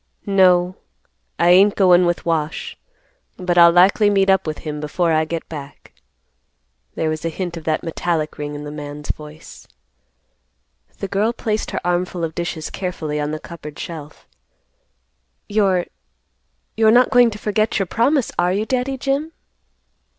"No, I ain't goin' with Wash; but I'll likely meet up with him before I get back." There was a hint of that metallic ring in the man's voice. The girl placed her armful of dishes carefully on the cupboard shelf; "You're—you're not going to forget your promise, are you, Daddy Jim?"